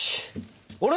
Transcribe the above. あれ？